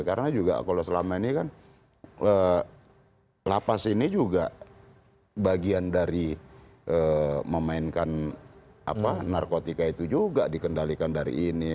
karena juga kalau selama ini kan lapas ini juga bagian dari memainkan narkotika itu juga dikendalikan dari ini